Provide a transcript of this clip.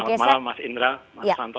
selamat malam mas indra mas santo